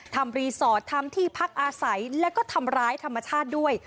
ทำรีสอร์ททำที่พักอาศัยแล้วก็ทำร้ายธรรมชาติด้วย